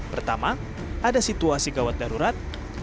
pertama ada situasi gawat darurat